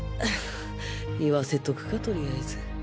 言わせとくかとりあえず